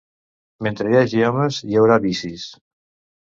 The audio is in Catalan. Mentre hi hagi homes, hi haurà vicis.